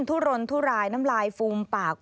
ุรนทุรายน้ำลายฟูมปาก